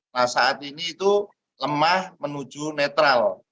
nah saat ini itu lemah menuju netral